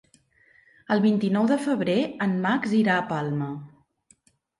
El vint-i-nou de febrer en Max irà a Palma.